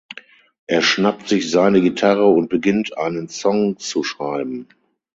Er schnappt sich seine Gitarre und beginnt einen Song zu schreiben.